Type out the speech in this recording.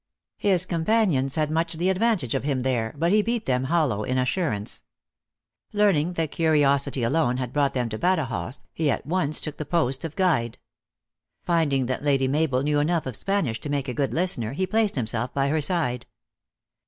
His companions had much the advantage of him there, but he beat them hollow in assurance. Learning tlyit curiosity alone had brought them to Badajoz, he at once took the post of guide. Finding that Lady Mabel knew enough of Spanish to make a good listener, he placed himself by her side.